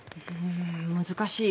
難しい。